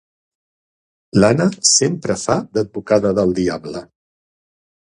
L'Anna sempre fa d'advocada del diable.